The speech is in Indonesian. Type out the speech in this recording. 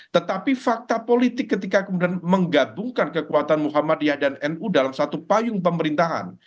tetapi fakta politik ketika kemudian menggabungkan kekuatan muhammadiyah dan nu dalam satu payung pemerintahan